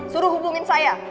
suruh hubungin saya